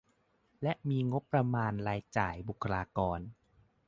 และมีงบประมาณรายจ่ายบุคลากร